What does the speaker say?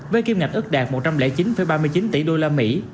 với kim ngạch ước đạt một trăm linh chín ba mươi chín tỷ đô la mỹ